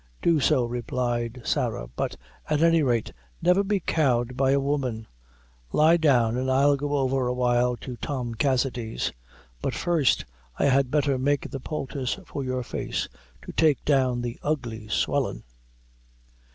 "Do so," replied Sarah; "but at any rate, never be cowed by a woman. Lie down, an' I'll go over awhile to Tom Cassidy's. But first, I had better make the poultice for your face, to take down the ugly swellin'."